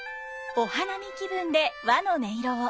お花見気分で和の音色を！